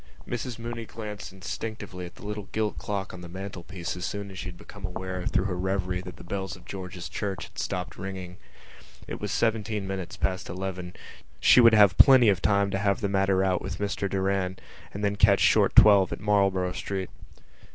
Mrs Mooney glanced instinctively at the little gilt clock on the mantelpiece as soon as she had become aware through her revery that the bells of George's Church had stopped ringing. It was seventeen minutes past eleven: she would have lots of time to have the matter out with Mr Doran and then catch short twelve at Marlborough Street.